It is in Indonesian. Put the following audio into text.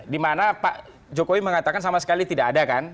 dimana pak jokowi mengatakan sama sekali tidak ada kan